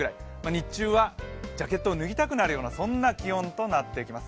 日中はジャケットを脱ぎたくなるような気温となってきます。